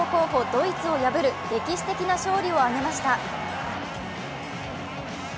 ・ドイツを破る歴史的な勝利を挙げました。